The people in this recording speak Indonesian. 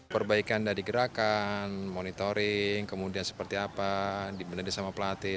perbaikan dari gerakan monitoring kemudian seperti apa dibenahi sama pelatih